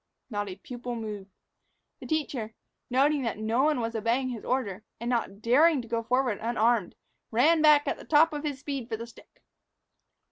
Not a pupil moved. The teacher, noting that no one was obeying his order, and not daring to go forward unarmed, ran back at the top of his speed for the stick.